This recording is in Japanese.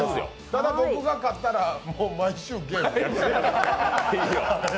ただ、僕が勝ったら毎週、ゲーム。